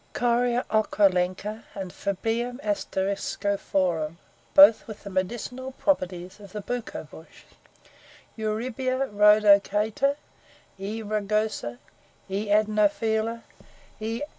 Correaochrolenca and Phebalium Asteriscophorum, both with the medical properties of the Bucco bush, Eurybia Rhodochaeta, E. Rugosa, E. Adenophylla, E.